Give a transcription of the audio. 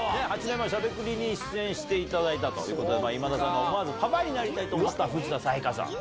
８年前『しゃべくり』に出演していただいたという今田さんが思わずパパになりたいと思った藤田彩華さん。